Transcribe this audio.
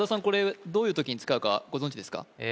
これどういう時に使うかご存じですか？